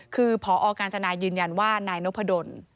คือพอกาญจนายืนยันว่านายนพดล